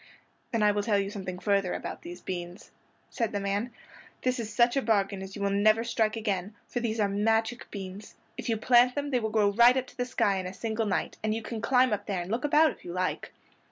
"Then I will tell you something further about these beans," said the man. "This is such a bargain as you will never strike again; for these are magic beans. If you plant them they will grow right up to the sky in a single night, and you can climb up there and look about you if you like."